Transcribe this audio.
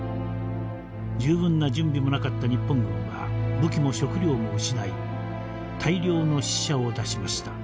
十分な準備もなかった日本軍は武器も食糧も失い大量の死者を出しました。